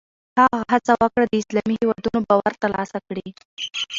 هغه هڅه وکړه د اسلامي هېوادونو باور ترلاسه کړي.